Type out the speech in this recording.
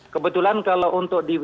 kebetulan kalau untuk di